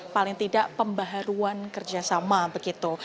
paling tidak pembaharuan kerjasama begitu